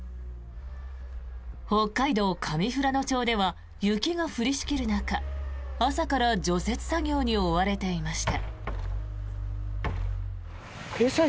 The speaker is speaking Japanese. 北海道上富良野町では雪が降りしきる中朝から除雪作業に追われていました。